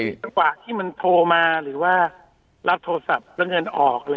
จังหวะที่มันโทรมาหรือว่ารับโทรศัพท์แล้วเงินออก